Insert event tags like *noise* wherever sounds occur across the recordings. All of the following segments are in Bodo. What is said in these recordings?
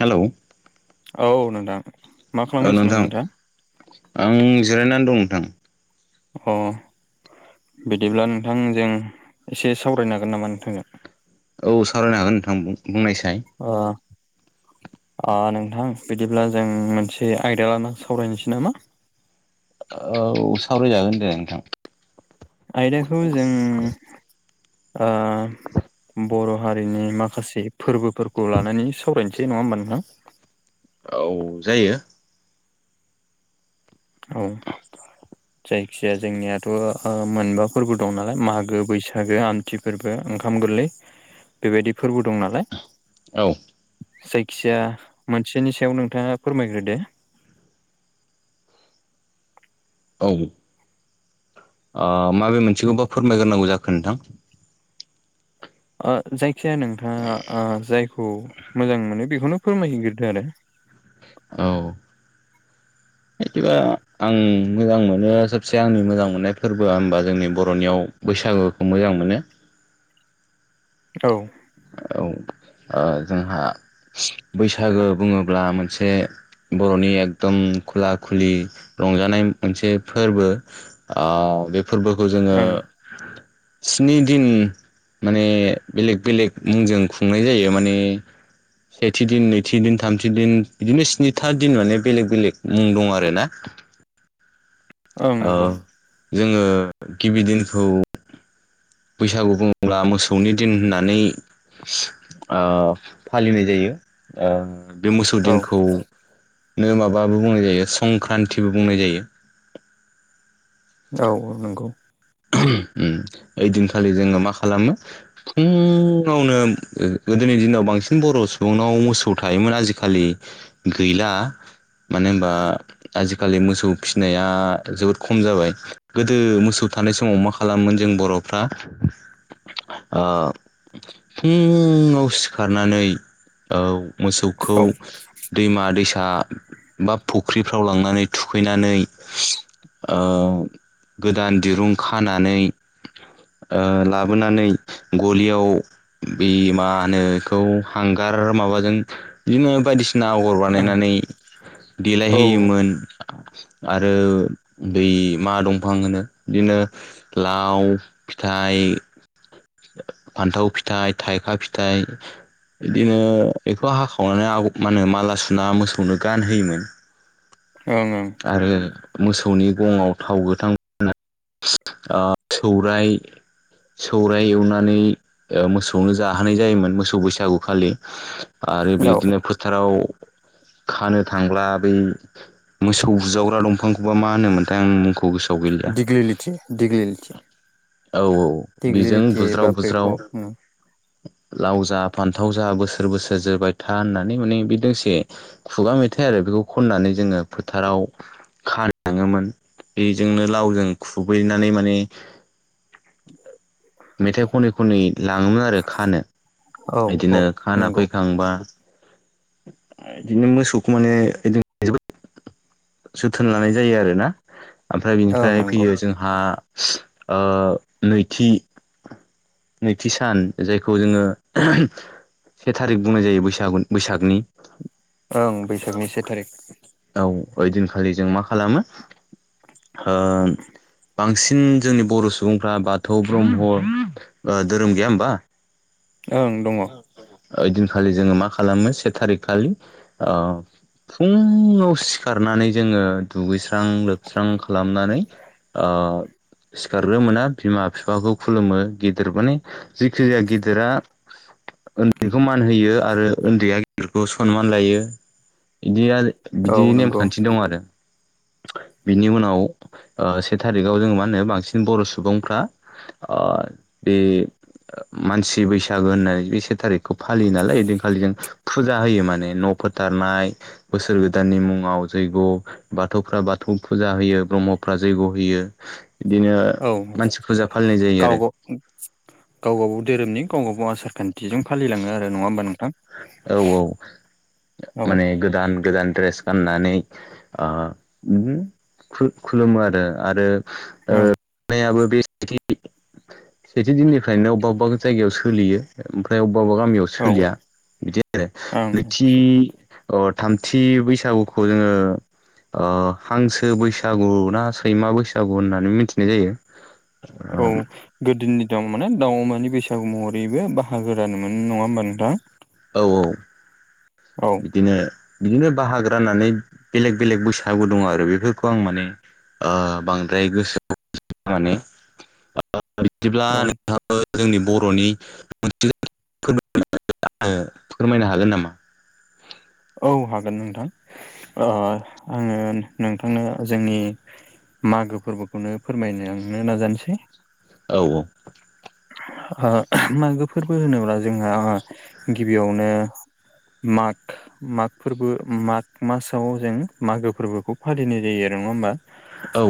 हेलौ। औ नोंथां। मा औ खालामगासिनो दं नोंथां नोंथाङा आं जिरायनानै दं नोंथां। अ बिदिब्ला नोंथां जों एसे सावरायनो हागोन नामा नोंथांजों? औ सावरायनो हागोन नोंथां बुं-बुंनायसाय? ओ ओ नोंथां बिदिब्ला जों मोनसे आयदा लाना सावरायसै नामा? औ सावरायजागोन दे नोंथां। आयदाखौ जों ओ बर' हारिनि माखासे फोरबोफोरखौ लानानै सावरायनोसै नङा होमबा नोंथां? औ जायो। औ जायखिजाया जोंनियाथ' ओ मोनबा फोरबो दं नालाय मागो, बैसागो, आमथि फोरबो, ओंखाम गोरलै बेबायदि फोरबो दं नालाय। औ जायखिया मोनसेनि सायाव नोंथाङा फोरमायग्रोदो। औ ओ माबे मोनसेखौबा फोरमायगोरनांगौ जाखो नोंथां? जायखिाया नोंथाङा जायखौ मोजां मोनो बेखौनो फोरमायहग्रोदो आरो औ बिदिबा आं मोजां मोनो सबसे आंनि मोजां मोननाय फोरबोआ होनबा जोंनि बर'नियाव बैसागोखौ मोजां मोनो औ औ जोंहा बैसागो बुङोब्ला मोनसे बर'नि एकदम खुला खुलि रंजानाय मोनसे फोरबो औ बे फोरबोखौ जोङो ओं स्नि दिन माने बेलेग बेलेग मुंजों खुंनाय जायो माने सेथि दिन नैथि दिन थामथि दिन बिदिनो स्निथा दिन माने बेलेग बेलेग मुं दं आर ना ओं नंगौ ओ जोङो गिबि दिनखौ बैसागु बुंब्ला मोसौनि दिन होननानै फालिनाय जायो बे मोसौ औ दिनखौनो माबाबो बुंनाय जायो संक्रान्तिबो बुंनाय जायो औ नंगौ ओइदिनखालि जोङो मा खालामो फुङावनो गोदोनि दिनाव बांसिन बर' सुबुंनाव मोसौ थायोमोन आजिखालि गैला मानो होनबा आजिखालि मोसौ फिसिनाया जोबोद खम जाबाय गोदो मोसौ थानाय समाव मा खालामोन जों बर'फ्रा फुङाव सिखारनानै मोसौखौ औ ओं दैमा दैसा बा फुख्रिफ्राव लांनानै थुखैनानै गोदान दिरुं खानानै लाबोनानै गलियाव बे मा होनो बेखौ हांगार माबाजों बिदिनो बायदिसिना बिसिना आगर बानायनानै औ ओं देलायहोयोमोन आरो दै मा दंफां होनो बिदिनो लाव फिथाइ फान्थाव फिथाइ थाइखा फिथाइ बिदिनो बेखौ हाखावनानै आ मा होनो माला सुना मोसौनो गानहोयोमोन ओंओं आरो मोसौनि गङाव थाव गोथां फ सौराय सौ ओमफ्राय एवनानै मोसौनो जाहोनाय जायोमोन मोसौ बैसागुखालि आरो औ बिदिनो फोथाराव खानो थांब्ला बै मोसौ बुजावग्रा दंफांखौबा मा होनो मोनथाय आं मुंखौ खौ गोसोआव गैलिया दिग्लिलिथि दिग्लिलिथि औ औ बेजों दिग्लिलिथि बुज्राव बा बुज्राव बेकप लाव जा फान्थाव जा बोसोर बोसोर जोबाय था होननानै माने बे दोंसे खुगा मेथाइ आरो बेखौ खननानै जोङो फोथाराव खार थङोमोन बेजोंनो लावजों खुबैनानै माने मेथाइ खनै खनै लाङोमोन आरो खानो औ बिदिनो औ खाना नंगौ फैखांबा बिदिनो मोसौखौ माने *unintelligible* जोथोन लानाय जायो आरो ना ओमफ्राय ओं बिनिफ्राय नंगौ फैयो जोंहा नैथि नैथि सान जायखौ जोङो से थारिख बुंनाय जायो बैसाग बैसागनि ओं बैसागनि से थारिख औ ओइ दिनखालि जों मा खालामो? बांसिन जोंनि बर' सुबुंफ्रा बाथौ ब्रह्म धोरोम गैया होमबा- ओं दं। ओइदिनखालि जोङो मा खालामो से थारिख खालि फुङाव सिखारनानै जोङो दुगैस्रां लोबस्रां खालामनानै ओ सिखारग्रोोना बिमा बिफाखौ खुलुमो गिदिर माने जिेखि जाया गिदिरा उन्दैखौ मान होयो आरो उन्दैया गिदिरखौ सनमान लायो। बिदिया औ बिदि नंगौ नेमखान्थि दं आरो बिनि उनाव से थारिखाव जोो मा होनो बांसिन बर' सुबुंफ्रा बे मानसि बैसा फथागो होननानै बे से थारिखखौ फालियो नालाय ओदिनखालि जों फुजा होयो माने न' फोथारनाय बोसोर गोदाननि मुङाव जैग्य' बाथौफ्रा बाथौ फुजा होयो ब्रह्मफ्रा जैग' होयो। बिदिनो औ मानसि फुजा फालिनाय जायो गाव आरो - गाव गागाव धोरोमनि गाव गागाव आसार खान्थिजों फालिलाङो आरो नङा होमबा नोंथां। औ औ औ माने गोदान गोदान द्रेस गाननानै खुलुमो आरो आरो ओं *inaudible* *unintelligible* सेथि दिननिफ्रायनो अबेबा बबेबा जायायाव सलियो ओमफ्राय अबेबा बबेबा गामियाव औ सोलिया बिदि आरो ओं नैथि अ थामथि बैसागुखौ जोङो हांसो बैसागु ना सैमा बैसागु होननानै मिथिनाय जायो। औ गोदोनि दं माने दाउ अमानि बैसागु रैबो बाहागोदानो मोनो नङा होमबा नोंथां? औ औ औ बिदिनो बिदिनो बाहागो राननानै बेलेग बेलेग बैसागु दङ आरो बेफोरखौ आं माने बांद्राय गोसोआव माने बिदिब्ला औ नोंथांआबो जोंनि बर'नि मोनसे आङो फोरमायनो हागोन नामा? औ हागोन नोंथां आङो नोंथांनो जोंनि मागो फोरबोखौनो फोरमायनो आंनो नाजानोसै। औ औ मागो फोरबो होनोब्ला जोंहा गिबियावनो माग माग फोरबो माग मासाव जों मागो फोरबोखौ फालिनाय जायो आरो नङा होमबा? औ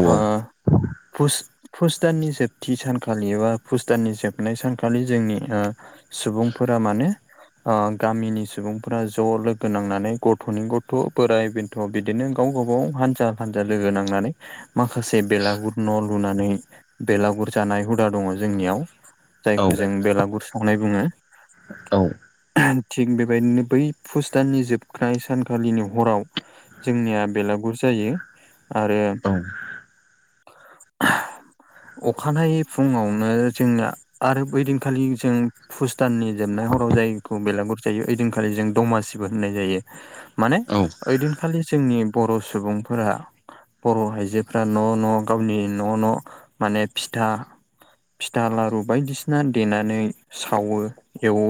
फुस दाननि जोबथि सानखालि एबा भुटाननि जोबनाय सानखालि जोंनि सुबुंफोरा माने गामिनि सुबुंफोरा ज' लोगो नांनानै गथ'नि गथ' बोराइ बे अ बिदिनो गाव गाबागाव हानजा हानजा लोगो नांनानै माखासे बेलागुर न' लुनानै बेलागुर जानाय हुदा दङ जोंनियाव। औ जायखौ जों बेलागुर सावनाय बुङो। औ थिग बेबायदिनो बै फुस दाननि जोबखानाय सानखालिनि हराव जोंनिया बेलागुर जायो आरो अखानायै फुङावनो जोंना आरो ओइदिनखालि जों फुस दाननि जोबनाय हराव जायखौ बेलागुर जायो ओयदिनखालि जों दमासिबो होननाय जायो माने औ ओइदिनखालि जोंनि बर' सुबुंफोरा बर' आइजोफ्रा न' न' गावनि न' न' माने फिथा फिथा लारु बायदिसिना देनानै सावो एवो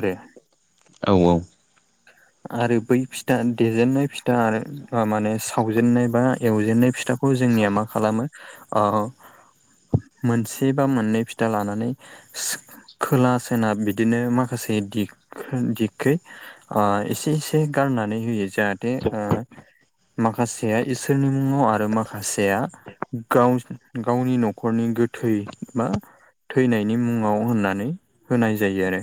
आरो। औ औ। आरो बै फिथा देजेननाय फिथा आरो माने सावजेनन्नाय बा एवजेननाय फिथा खौ जोंनिया मा खालामो आ मोनसे बा मोननै फिथा लानानै खोला सोनाब बिदिनो माखासे दिग दिगखै एसे एसे गारनानै होयो जाहाथे आ माखासेया इसोरनि मुङाव आरो माखासेया गाव गावनि न'खरनि गोथै मा थैनायनि मुङाव होननानै होनाय जायो आरो।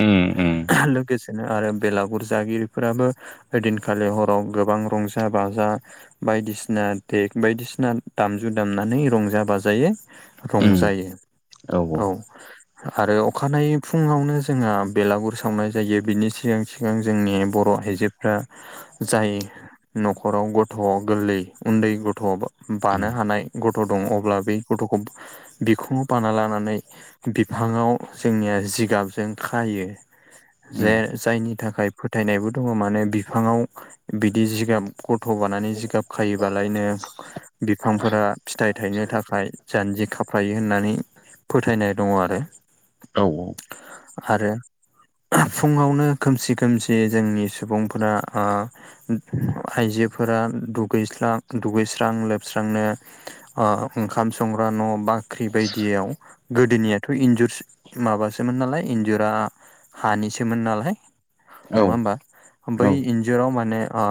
उम उम लोगोसेनो आरो बेलागुर जागिरिफोराबो ओइदिनखालि हराव गोबां रंजा बाजा बायदिसिना देक बायदिसिना दामजु दामनानै रंजा बाजायै उम रंजायो औ। आरो अखानायै फुङावनो जोंहा बेलागुर सावनाय जायो बिनि सिगां सि जोंनि बर' आइजोफ्रा जाय न'खराव गथ' गोरलै उन्दै गथ' उम बानो हानाय गथ' दं अब्ला बे गथ'खौ बिखुङाव बाना लानानै बिफाङाव जोंनिया जिगाबजों खायो उम जे जायनि थाखाय फोथायनायबो दङ माने बिफाङाव बिदि जिगाब गथ' बानानै जिगाब खायोबालायनो बिफांफोरा फिथाइ थायनो थाखाय जान्जि खाफ्र्लायो होननानै फोथायनाय दङ आरो औ आरो फुङावनो खोमसि खोमसि जोंनि सुबुंफोरा ओ आइजोफोरा दुगैस्रां दुगैस्रां लोबस्रांनो ओंखाम संग्रा न' बाख्रि बायदियाव गोदोनियाथ' इन्जुरसो माबासोमोन नालाय इन्जुरा हानिसोमोन नालाय औ नङा होमबा? बै औ इन्जुराव माने आ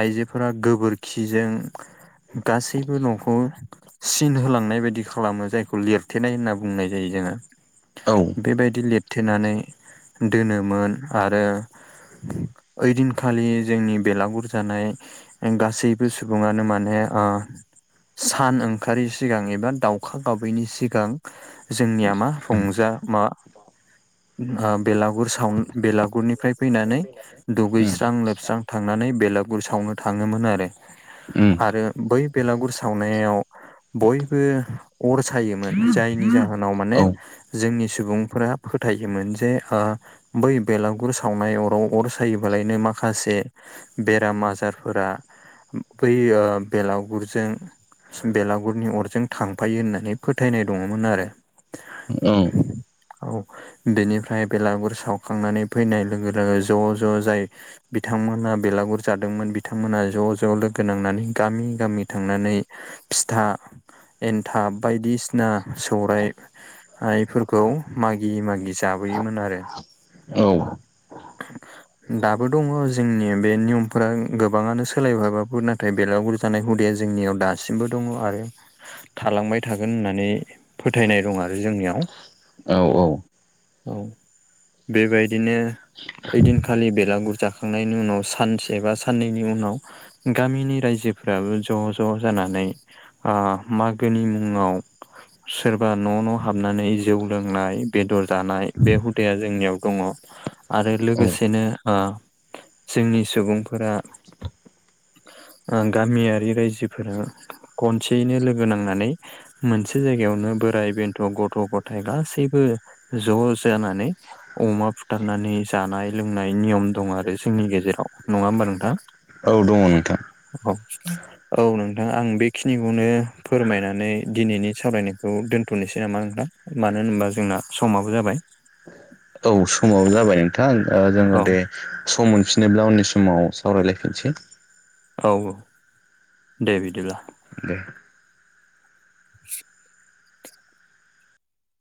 आइजोफोरा गोबोरखिजों गासैबो न'खौ सिन होलांनाय बायदि खालामो जायखौ लिरथेनाय होनना बुंनाय जायो जोंङो। औ। बेबायदि लिरथेनानै दोनोमोन आरो ओइदिनखालि जोंनि बेलागुर जानाय गासैबो सुबुङानो माने आ सान ओंखारै सिगां एबा दाउखा गाबैनि सिगां जोंनिया मा रंजा मा आ बेलागुर साव बेलागुरनिफ्राय फैनानै उम दुगैस्रां लोबस्रां थांनानै बेलागुर सावनो थाङोमोन आरो। उम आरो बै बेलागुर सावनायाव बयबो अर सायोमोन जायनि जाहोनाव माने औ औ जोंनि सुबुंफोरा फोथायोमोन जे बै बेलागुर सावनाय अराव अर सायोबालायनो माखासे बेराम आजारफोरा बै ओ बेलागुरजों बेलागुरनि अरजों थांफायो होननानै फोथायनाय दङमोन आरो। औम। औ बेनिफ्राय बेलागुर सावखांनानै फैनाय लोगो लोगो ज' ज' जाय बिथांमोना बेलागुर जादोंमोन बिथांमोना ज' ज' लोगो नांनानै गामि गामि थांनानै फिथा एन्थाब बायदिसिना सौराय आइफोरखौ मागि मागि जाबोयोमोन आरो। औ दाबो दङ' जोंनि बे नियमफोरा गोबाङानो सोलायबाबाबो नो नाथाय बेलागुर जानाय हुदाया जोंनियाव दासिमबो दङ' आरो। थालांबाय थागोन होननानै फोथायनाय दं आरो जोंनियाव। औ औ। औ। बेबायदिनो ओइदिनखालि बेलागुर जाखांनायनि उनाव सानसे बा साननैनि उनाव गामिनि रायजोफोराबो ज' ज' जानानै ओ मागोनि मुङाव सोरबा न' न' हाबनानै जौ लोंनाय बेदर जानाय बे हु दाया जोंनियाव दङ' आरो औ लोगोसेनो ओ जोंनि सुबुंफोरा ओ गामियारि रायजोफोरा खनसेयैनो लोगो नांनानै मोनसे जायगायावनो बोराइ बेन्थ' गथ' गथाय गासैबो ज' जानानै अमा बुथारनानै जानाय लोंनाय नियम दं आरो जोंनि गेजेराव नङा होमबा नोंथां? औ दङ' नोंथां। औ। औ नोंथां आं बेखिनिखौनो फोरमायनानै दिनैनि सावरायनायखौ दोन्थ'नोसै नामा नोंथां? मानो होनोबा जोंना समाबो जाबाय। औ समाबो जाबाय नोंथां ओ जोङो औ दे सम मोनफिनोब्ला उननि समाव सावरायलायफिनसै। औ ओ दे बिदिब्ला। दे